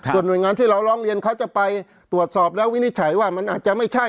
ส่วนหน่วยงานที่เราร้องเรียนเขาจะไปตรวจสอบแล้ววินิจฉัยว่ามันอาจจะไม่ใช่